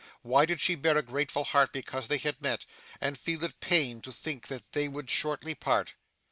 Why did she bear a grateful heart because they had met, and feel it pain to think that they would shortly part?